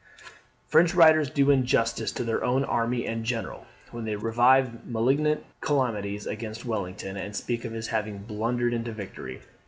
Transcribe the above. French writers do injustice to their own army and general, when they revive malignant calumnies against Wellington, and speak of his having blundered into victory.